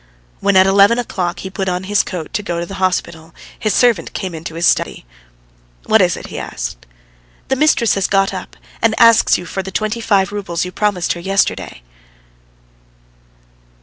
When at eleven o'clock he put on his coat to go to the hospital the servant came into his study. "What is it?" he asked. "The mistress has got up and asks you for the twenty five roubles you promised her yesterday."